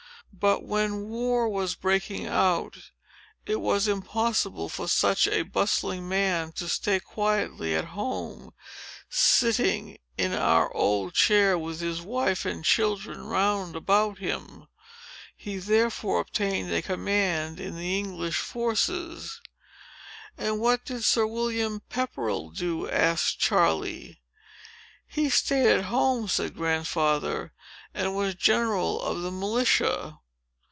But, when war was breaking out, it was impossible for such a bustling man to stay quietly at home, sitting in our old chair, with his wife and children round about him. He therefore obtained a command in the English forces." "And what did Sir William Pepperell do?" asked Charley. "He staid at home," said Grandfather, "and was general of the militia.